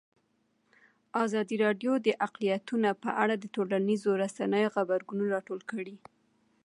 ازادي راډیو د اقلیتونه په اړه د ټولنیزو رسنیو غبرګونونه راټول کړي.